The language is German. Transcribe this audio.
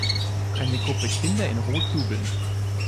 Eine Gruppe Kinder in Rot jubeln